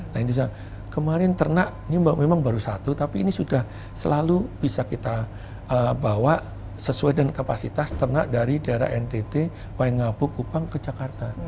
nah ini kemarin ternak ini memang baru satu tapi ini sudah selalu bisa kita bawa sesuai dengan kapasitas ternak dari daerah ntt waingapu kupang ke jakarta